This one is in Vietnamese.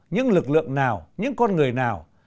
những lực lượng nào những con người nào